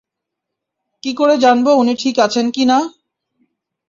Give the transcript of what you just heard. কি করে জানব উনি ঠিক আছেন কিনা?